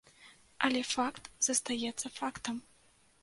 Але факт застаецца фактам.